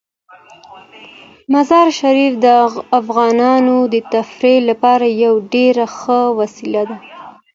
مزارشریف د افغانانو د تفریح لپاره یوه ډیره ښه وسیله ده.